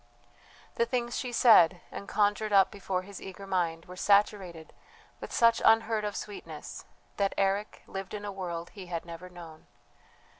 The things she said, and conjured up before his eager mind, were saturated with such unheard of sweetness that Eric lived in a world he had never known.